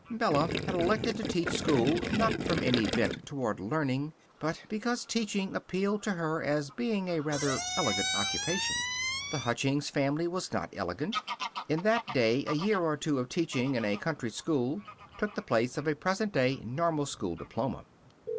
Bella had elected to teach school, not from any bent toward learning but because teaching appealed to her as being a rather elegant occupation. The Huckins family was not elegant. In that day a year or two of teaching in a country school took the place of the present day normal school diploma.